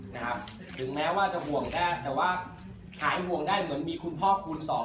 นะครับถึงแม้ว่าจะห่วงได้แต่ว่าหายห่วงได้เหมือนมีคุณพ่อคูณสอง